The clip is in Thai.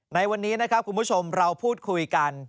ในวันนี้นะครับคุณผู้ชมเราพูดคุยกัน